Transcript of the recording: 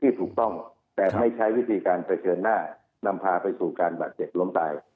ถูกต้องแต่ไม่ใช้วิธีการเผชิญหน้านำพาไปสู่การบาดเจ็บล้มตาย